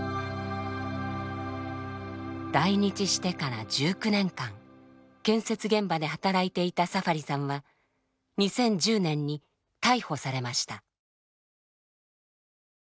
来日してから１９年間建設現場で働いていたサファリさんは２０１０年に逮捕されました。